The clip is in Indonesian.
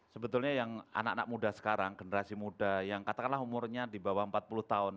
sebetulnya yang anak anak muda sekarang generasi muda yang katakanlah umurnya di bawah empat puluh tahun